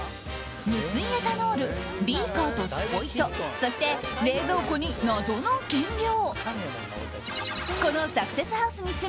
無水エタノールビーカーとスポイトそして、冷蔵庫に謎の原料。